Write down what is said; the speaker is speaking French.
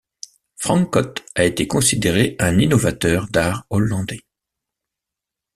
Frankot a été considéré un innovateur d'art hollandais.